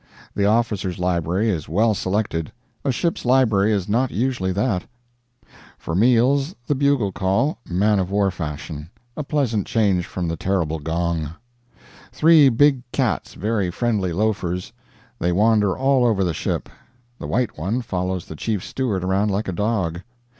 The officers' library is well selected; a ship's library is not usually that .... For meals, the bugle call, man of war fashion; a pleasant change from the terrible gong .... Three big cats very friendly loafers; they wander all over the ship; the white one follows the chief steward around like a dog.